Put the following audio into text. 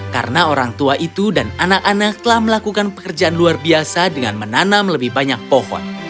karena orang tua itu dan anak anak telah melakukan pekerjaan luar biasa dengan menanam lebih banyak pohon